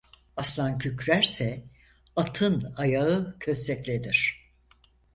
Aslan kükrerse atın ayağı kösteklenir.